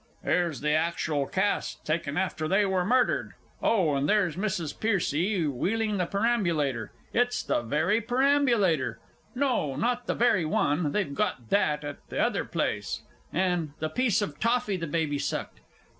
Here's the actual casts taken after they were murdered. Oh, and there's Mrs. Pearcey wheeling the perambulator it's the very perambulator! No, not the very one they've got that at the other place, and the piece of toffee the baby sucked.